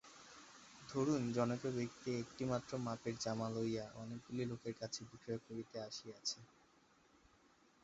ধরুন জনৈক ব্যক্তি একটি মাত্র মাপের জামা লইয়া অনেকগুলি লোকের কাছে বিক্রয় করিতে আসিয়াছে।